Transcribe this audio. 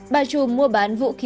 bà trùm mua bán vụ